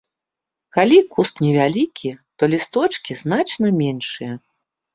Калі куст невялікі, то лісточкі значна меншыя.